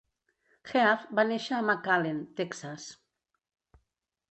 Heath va néixer a McAllen, Texas.